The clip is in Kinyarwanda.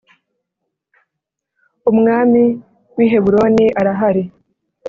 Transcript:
umwami w i heburoni arahari